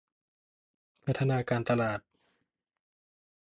พัฒนาการตลาด